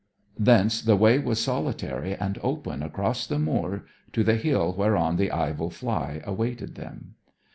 Thence the way was solitary and open across the moor to the hill whereon the Ivell fly awaited them.